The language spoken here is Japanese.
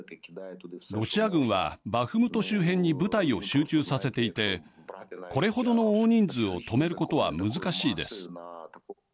ロシア軍はバフムト周辺に部隊を集中させていてこれほどの大人数を止めることは難しいです。